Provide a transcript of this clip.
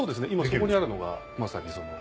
そこにあるのがまさに。